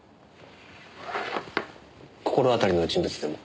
心当たりの人物でも？